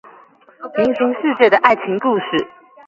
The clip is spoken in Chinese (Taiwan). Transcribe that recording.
平行世界的愛情故事